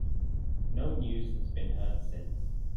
No news has been heard since.